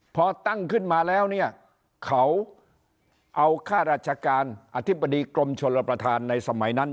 พอตั้งขึ้นมาแล้วเนี่ยเขาเอาข้าราชการอธิบดีกรมชลประธานในสมัยนั้น